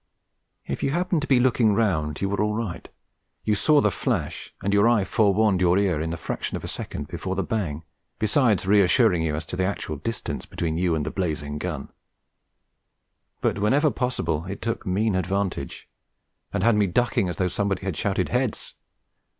If you happened to be looking round you were all right. You saw the flash, and your eye forewarned your ear in the fraction of a second before the bang, besides reassuring you as to the actual distance between you and the blazing gun; but whenever possible it took a mean advantage, and had me ducking as though somebody had shouted 'Heads!'